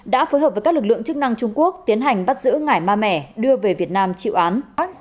đã phối hợp với các lực lượng chức năng trung quốc tiến hành bắt giữ ngải ma mẻ đưa về việt nam chịu án